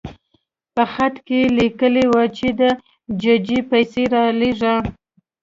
په خط کې لیکلي وو چې د ججې پیسې رالېږه.